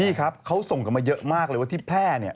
นี่ครับเขาส่งกันมาเยอะมากเลยว่าที่แพร่เนี่ย